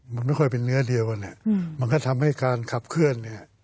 มันไม่ค่อยเป็นเนื้อเดียวมันก็ทำให้การขับเคลื่อน